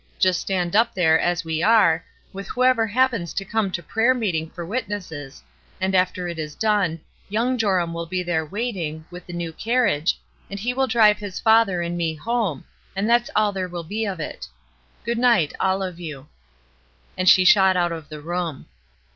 Just stand up there, as we are, ^ath whoever happens to come to prayer meet ing for witnesses, and after it is done, young Joramwill be there waiting, with the new car riage, and he will drive his father and me home, and that is all there will be of it. Good night, all of you." And she shot out of the room.